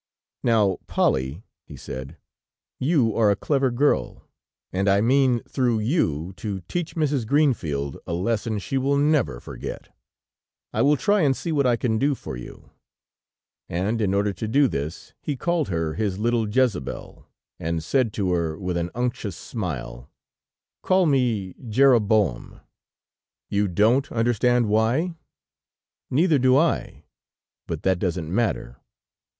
"Now, Polly," he said, "you are a clever girl, and I mean, through you, to teach Mrs. Greenfield a lesson she will never forget. I will try and see what I can do for you." And in order to this, he called her his little Jezabel, and said to her, with an unctuous smile: "Call me Jeroboam! You don't understand why? Neither do I, but that does not matter.